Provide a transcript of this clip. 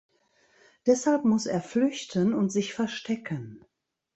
Deshalb muss er flüchten und sich verstecken.